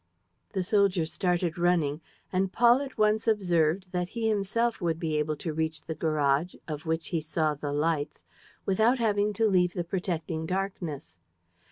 ..." The soldier started running. And Paul at once observed that he himself would be able to reach the garage, of which he saw the lights, without having to leave the protecting darkness.